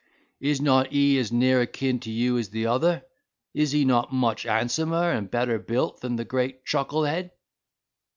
"Is not he as near akin to you as the other? Is he not much handsomer and better built than that great chucklehead?